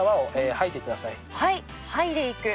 はい。